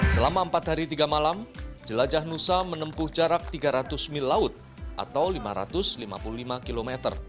selama empat hari tiga malam jelajah nusa menempuh jarak tiga ratus mil laut atau lima ratus lima puluh lima km